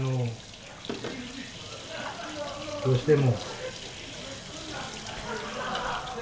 どうしても。